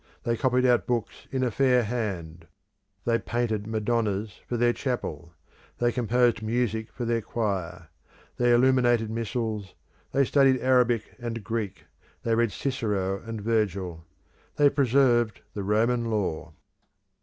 They copied out books in a fair hand: they painted Madonnas for their chapel: they composed music for their choir: they illuminated missals: they studied Arabic and Greek: they read Cicero and Virgil: they preserved the Roman Law.